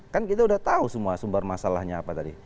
kan kita udah tahu semua sumber masalahnya apa tadi